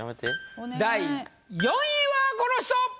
第４位はこの人！